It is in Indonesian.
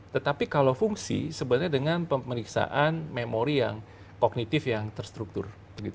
tetapi kalau fungsi sebenarnya dengan pemeriksaan memori yang kognitif yang terstruktur